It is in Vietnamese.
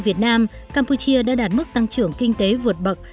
việt nam campuchia đã đạt mức tăng trưởng kinh tế vượt bậc